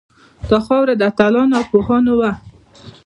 دا خاوره د اتلانو او پوهانو وه